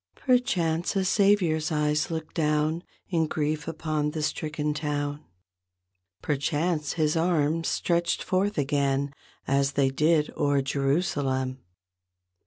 Perchance a Savior's eyes looked down In grief upon the stricken town. Perchance His arms stretched forth again As they did o'er Jerusalem.